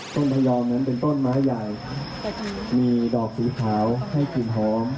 พยอมนั้นเป็นต้นไม้ใหญ่มีดอกสีขาวให้กลิ่นหอม